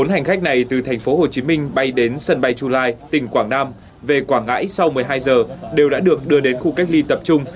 bốn mươi bốn hành khách này từ tp hcm bay đến sân bay chulai tỉnh quảng nam về quảng ngãi sau một mươi hai h đều đã được đưa đến khu cách ly tập trung